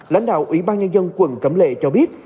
lãnh đạo ủy ban nhân dân quận cẩm lệ cho biết